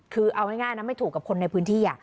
คือเอาง่ายนะไม่ถูกกับคนในพื้นที่